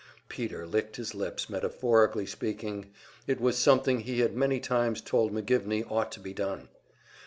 Peter licked his lips, metaphorically speaking. It was something he had many times told McGivney ought to be done.